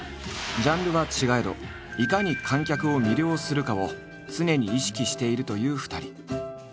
ジャンルは違えどいかに観客を魅了するかを常に意識しているという２人。